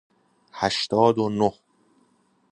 هشتاد و نه